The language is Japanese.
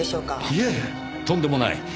いいえとんでもない。